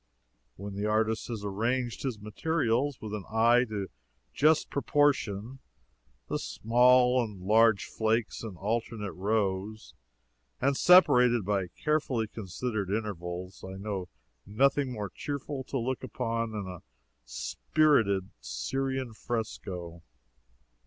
When the artist has arranged his materials with an eye to just proportion the small and the large flakes in alternate rows, and separated by carefully considered intervals I know of nothing more cheerful to look upon than a spirited Syrian fresco.